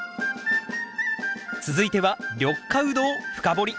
続いては緑化ウドを深掘り！